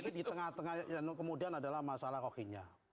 tapi di tengah tengah kemudian adalah masalah rocky nya